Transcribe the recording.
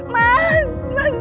mas mas bangun